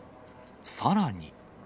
さらに。